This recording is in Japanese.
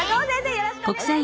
よろしくお願いします！